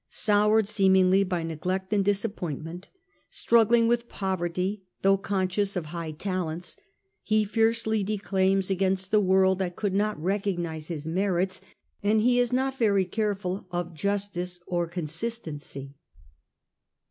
Soured, seemingly, by neglect and disappointment, struggling with poverty, though conscious of high talents, he fiercely declaims against the world that could not re cognize his merits, and he is not very careful of justice or consistency.